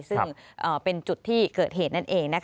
ซึ่งเป็นจุดที่เกิดเหตุนั่นเอง